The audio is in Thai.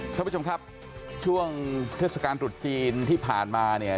ท่านผู้ชมครับช่วงเทศกาลตรุษจีนที่ผ่านมาเนี่ย